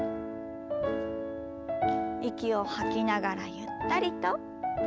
息を吐きながらゆったりと。